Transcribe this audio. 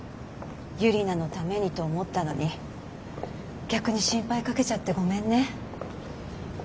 ユリナのためにと思ったのに逆に心配かけちゃってごめんね。